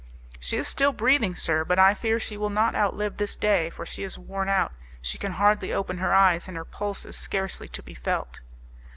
"She is still breathing, sir; but I fear she will not outlive this day, for she is worn out. She can hardly open her eyes, and her pulse is scarcely to be felt."